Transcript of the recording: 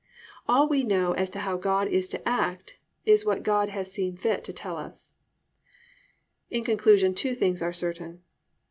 All we know as to how God is to act is what God has seen fit to tell us. In conclusion, two things are certain.